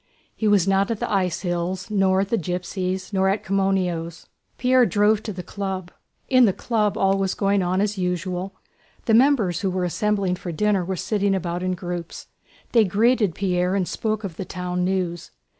He was not at the ice hills, nor at the gypsies', nor at Komoneno's. Pierre drove to the Club. In the Club all was going on as usual. The members who were assembling for dinner were sitting about in groups; they greeted Pierre and spoke of the town news.